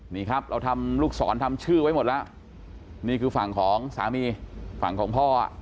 นี่ครับเราทำลูกศรทำชื่อไว้หมดแล้วนี่คือฝั่งของสามีฝั่งของพ่อ